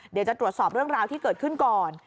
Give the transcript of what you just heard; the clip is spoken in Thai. เดี๋ยวจะตรวจสอบเรื่องราวที่เกิดขึ้นก่อน